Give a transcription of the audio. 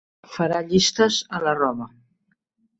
Farà llistes a la roba.